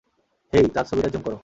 হেই, তার ছবিটা জুম কর।